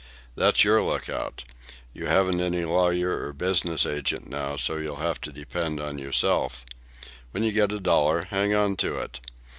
"That's your look out. You haven't any lawyer or business agent now, so you'll have to depend on yourself. When you get a dollar, hang on to it.